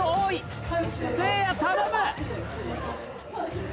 せいや頼む！